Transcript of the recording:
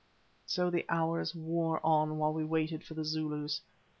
So the hours wore on while we waited for the Zulus.